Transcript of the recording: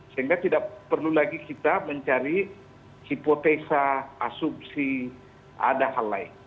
sehingga tidak perlu lagi kita mencari hipotesa asumsi ada hal lain